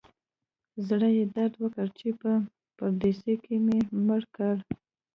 زړه یې درد وکړ چې په پردیسي کې مې مړ کړ.